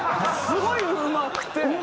すごいうまくて。